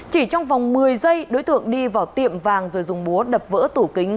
chỉ trong vòng một mươi giây đối tượng đi vào tiệm vàng rồi dùng búa đập vỡ tủ kính